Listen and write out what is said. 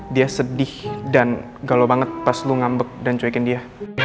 dia sedih dan galau banget pas lu ngambek dan cuekin dia